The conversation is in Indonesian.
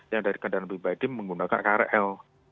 yang dari kendaraan pribadi menggunakan krl